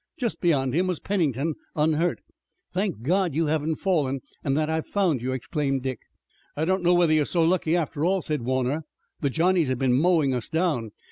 Just beyond him was Pennington, unhurt. "Thank God you haven't fallen, and that I've found you!" exclaimed Dick. "I don't know whether you're so lucky after all," said Warner. "The Johnnies have been mowing us down.